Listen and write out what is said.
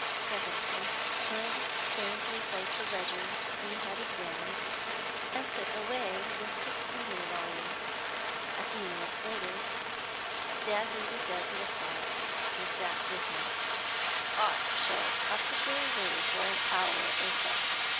Presently Hood came to replace the ledger he had examined, and took away the succeeding volume. A few minutes later Dagworthy said to the clerk who sat with him 'I shall have to go away for an hour or so.